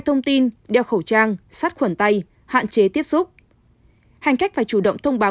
thông tin đeo khẩu trang sắt khuẩn tay hạn chế tiếp xúc hành khách phải chủ động thông báo